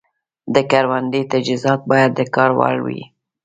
د کروندې تجهیزات باید د کار وړ وي.